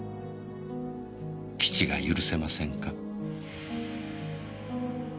基地が許せませんか？